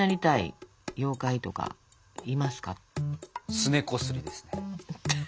すねこすりですね。